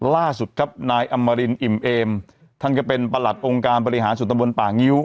ล่าสุดครับนายอมรินอิ่มเอมท่านก็เป็นประหลัดองค์การบริหารส่วนตำบลป่างิ้ว